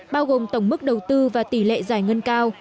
bao gồm tổng mức đầu tư và tỷ lệ giải ngân cao